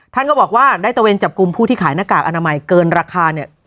ท่านก็บอกว่าได้ตะเวนจับกลุ่มผู้ที่ขายหน้ากากอนามัยเกินราคาเนี่ย